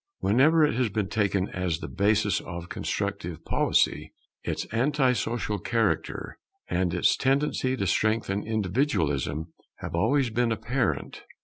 Whenever it has been taken as the basis of a constructive policy, its anti social character, and its tendency to strengthen individualism have always been apparent.